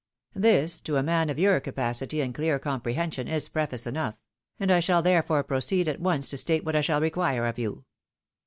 This, to a man of your capacity and clear compre hension, is preface enough; and I shall therefore proceed at once to state what I shall require of you.